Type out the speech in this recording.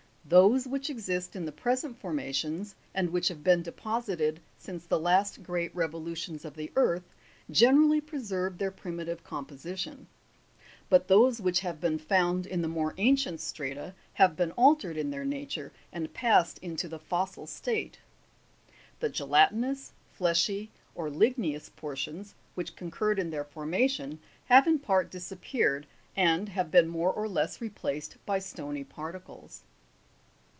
Those which exist in the present formations, and which have been deposited since the last great revolutions of the earth, generally preserve their primi tive composition ; but those which have been found in the more ancient strata have be^i altered in their nature, and passed into the fossil state; the gelatinous, fleshy, or ligneous portions, which concurred in their formation, have in part disappeared, and have been more or less replaced by stony particles.